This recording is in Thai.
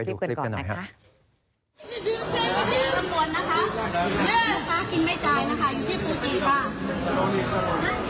ทั้งหมดนะคะดูค่ะกินไม่จ่ายนะคะอยู่ที่ฟูจิค่ะ